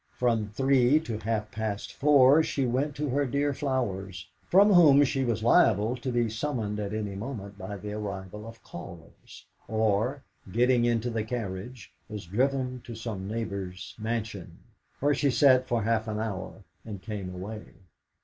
From three to half past four she went to her dear flowers, from whom she was liable to be summoned at any moment by the arrival of callers; or, getting into the carriage, was driven to some neighbour's mansion, where she sat for half an hour and came away.